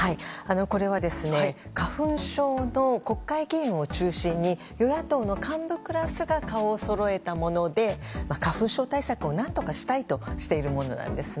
これは花粉症の国会議員を中心に与野党の幹部クラスが顔をそろえたもので花粉症対策を何とかしたいとしているものなんですね。